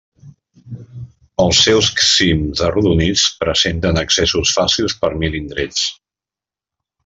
Els seus cims arrodonits presenten accessos fàcils per mil indrets.